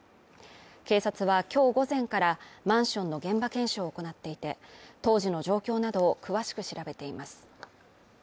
警察は今日午前からマンションの現場検証を行っていて、当時の状況などを詳しく調べています。